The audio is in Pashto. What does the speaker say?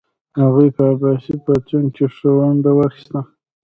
هغوی په عباسي پاڅون کې ښه ونډه واخیسته.